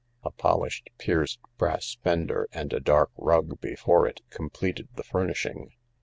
A polished pierced brass fender and a dark rug before it completed the furnishing.